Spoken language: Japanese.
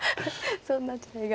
そんな時代が。